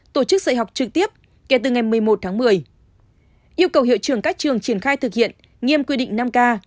tổ chức dạy học trực tiếp kể từ ngày một mươi một tháng một mươi yêu cầu hiệu trưởng các trường triển khai thực hiện nghiêm quy định năm k